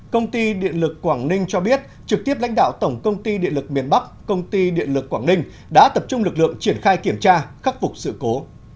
công ty điện lực quảng ninh cho biết trực tiếp lãnh đạo tổng công ty điện lực miền bắc công ty điện lực quảng ninh đã tập trung lực lượng triển khai kiểm tra khắc phục sự cố